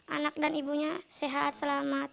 anak dan ibunya sehat selamat